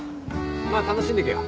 まあ楽しんでけよ。